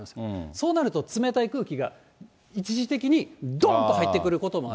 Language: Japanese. そうなると冷たい空気が一時的にどんと入ってくることもある。